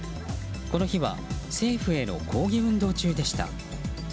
この日は政府への抗議運動中でした。